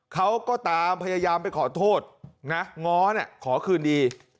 เขาก็ตามพยายามไปขอโทษนะง้อขอคืนดี